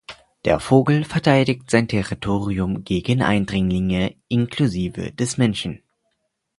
Der Vogel verteidigt sein Territorium gegen Eindringlinge, inklusive des Menschen.